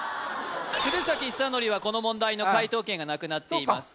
鶴崎修功はこの問題の解答権がなくなっています